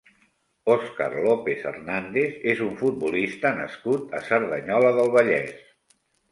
Òscar López Hernández és un futbolista nascut a Cerdanyola del Vallès.